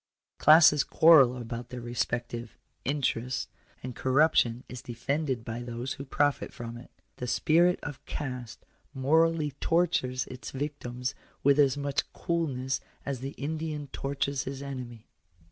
;* Classes quarrel about their respective "interests;" and cor ruption is defended by those who profit from it. The spirit of caste morally tortures its victims with as much coolness as the Indian tortures his enemy.